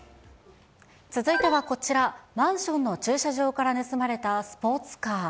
続いてはこちら、マンションの駐車場から盗まれたスポーツカー。